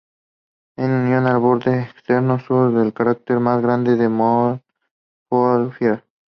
Está unido al borde externo sur del cráter más grande Montgolfier.